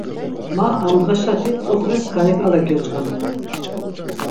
Ma amdğaşati tzoxle skani k̆ala gyoç̆k̆a minon.